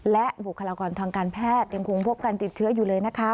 และบุคลากรทางการแพทย์ยังคงพบการติดเชื้ออยู่เลยนะคะ